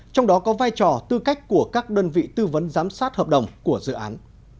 trong đó có vai trò tư cách của các đơn vị tư vấn giám sát hợp đồng của dự án